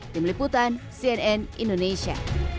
di meliputan cnn indonesia